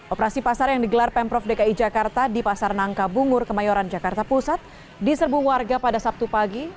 operasi pasar yang digelar pemprov dki jakarta di pasar nangka bungur kemayoran jakarta pusat diserbu warga pada sabtu pagi